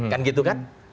kan gitu kan